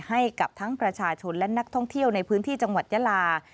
ให้กับทั้งประชาชนและนักท่องเที่ยวในพื้นที่จังหวัดยาลา